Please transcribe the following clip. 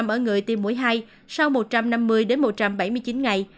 một mươi ba ở người tiêm mũi hai sau một trăm năm mươi đến một trăm bảy mươi chín ngày